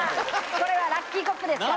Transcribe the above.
これはラッキーコップですから。